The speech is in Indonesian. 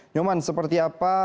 nyoman seperti apa